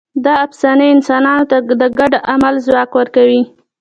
دا افسانې انسانانو ته د ګډ عمل ځواک ورکوي.